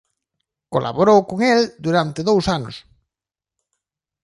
Colaborou con el durante dous anos.